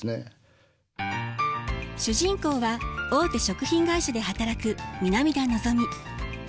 主人公は大手食品会社で働く南田のぞみ。